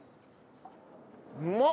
うまっ！